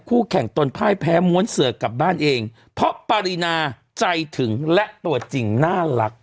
คู่แข่งตนพ่ายแพ้ม้วนเสือกกลับบ้านเองเพราะปารีนาใจถึงและตัวจริงน่ารัก